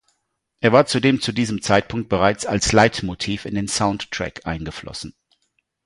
Er war zudem zu diesem Zeitpunkt bereits als Leitmotiv in den Soundtrack eingeflossen.